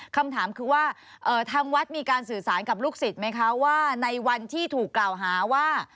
คำถามคือว่าทางวัดมีการสื่อสารกับลูกศิษย์ไหมคะว่าในวันที่ถูกกล่าวหาว่า